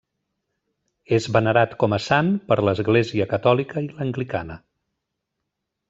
És venerat com a sant per l'Església catòlica i l'anglicana.